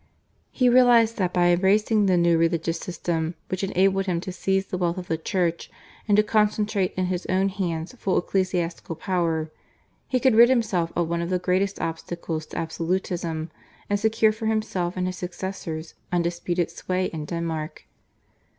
He realised that by embracing the new religious system, which enabled him to seize the wealth of the Church and to concentrate in his own hands full ecclesiastical power, he could rid himself of one of the greatest obstacles to absolutism, and secure for himself and his successors undisputed sway in Denmark.